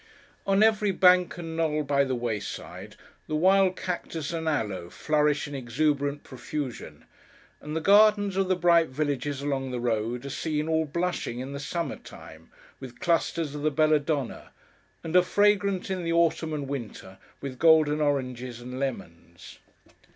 On every bank and knoll by the wayside, the wild cactus and aloe flourish in exuberant profusion; and the gardens of the bright villages along the road, are seen, all blushing in the summer time with clusters of the Belladonna, and are fragrant in the autumn and winter with golden oranges and lemons.